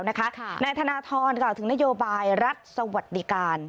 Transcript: นายธนทรกล่าวถึงนโยบายรัฐสวัสดิการ